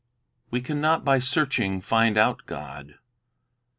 We can not by searching find out God.